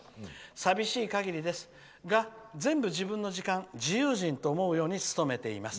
寂しい限りですが全部自分の時間自由人と思うように努めています。